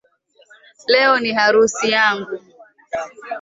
Leo ni harusi yangu